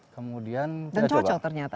kemudian dan cocok ternyata